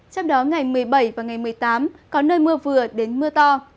trong đó ngày một mươi bảy và ngày một mươi tám có nơi mưa vừa đến mưa to